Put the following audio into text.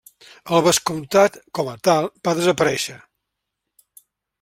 El vescomtat com a tal va desaparèixer.